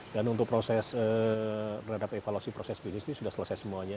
dan untuk proses terhadap evaluasi proses bisnis ini sudah selesai semuanya